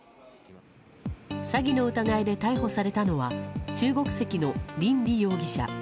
詐欺の疑いで逮捕されたのは中国籍のリン・リ容疑者。